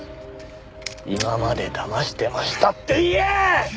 今までだましてましたって言え！